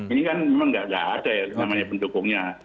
ini kan memang tidak ada pendukungnya